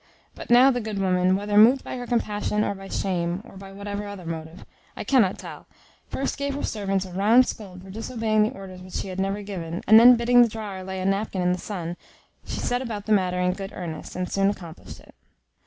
But now the good woman, whether moved by compassion, or by shame, or by whatever other motive, I cannot tell, first gave her servants a round scold for disobeying the orders which she had never given, and then bidding the drawer lay a napkin in the Sun, she set about the matter in good earnest, and soon accomplished it.